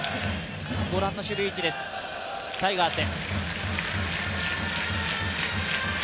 ご覧の守備位置です、タイガース。